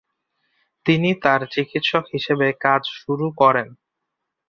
তিনি তার চিকিৎসক হিসেবে কাজ শুরু করেন।